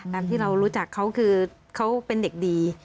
ตามที่เรารู้จักเขาคือเขาเป็นเด็กดี